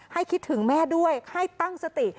ให้คิดถึงแม่ด้วยให้ตั้งสติ